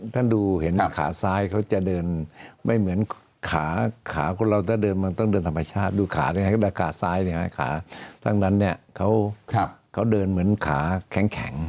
ถ้าดูเห็นขาซ้ายเขาจะเดินไม่เหมือนขาขาคนเราถ้าเดินมันต้องเดินธรรมชาติดูขานะครับแต่ขาซ้ายขาทั้งนั้นเนี่ยเขาเดินเหมือนขาแข็ง